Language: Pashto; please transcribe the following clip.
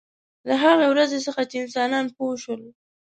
له هغې ورځې څخه چې انسانان پوه شول.